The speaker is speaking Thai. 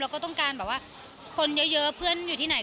เราก็ต้องการคนเยอะเพื่อนอยู่ที่ไหน